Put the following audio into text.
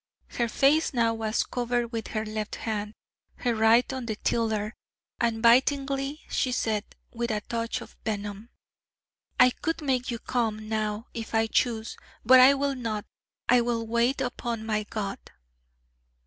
Her face now was covered with her left hand, her right on the tiller: and bitingly she said, with a touch of venom: 'I could make you come now, if I chose: but I will not: I will wait upon my God....'